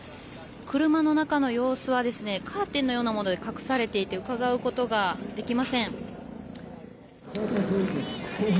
車の中の様子はカーテンのようなもので隠されていてうかがうことができません。